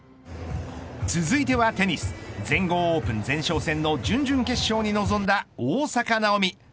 続いてはテニス全豪オープン前哨戦の準々決勝に臨んだ大坂なおみ。